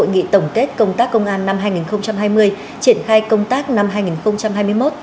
hội nghị tổng kết công tác công an năm hai nghìn hai mươi triển khai công tác năm hai nghìn hai mươi một